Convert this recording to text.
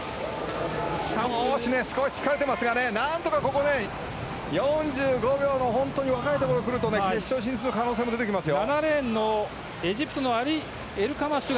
少し疲れていますが何とかここで４５秒のところ来ると決勝進出の可能性も出てきますよ。